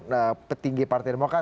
yang penting di partai demokrat